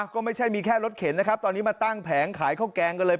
ก็ไม่ใช่มีแค่รถเข็นนะครับตอนนี้มาตั้งแผงขายข้าวแกงกันเลย